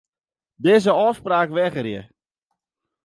Dizze ôfspraak wegerje.